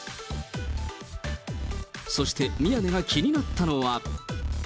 そして、宮根が気になったのは。